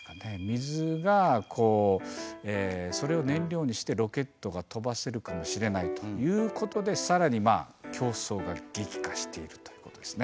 水がそれを燃料にしてロケットが飛ばせるかもしれないということでさらに競争が激化しているということですね。